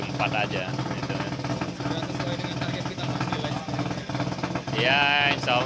sebelumnya sesuai dengan target kita masih lagi